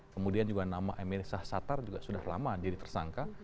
kemudian juga nama emir syahsatar juga sudah lama jadi tersangka